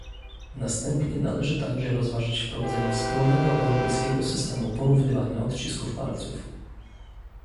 Następnie należy także rozważyć wprowadzenie wspólnego europejskiego systemu porównywania odcisków palców